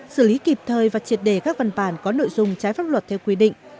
xử lý kịp thời và triệt đề các văn bản có nội dung trái pháp luật theo quy định